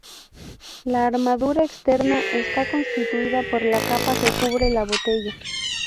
La armadura externa está constituida por la capa que cubre la botella.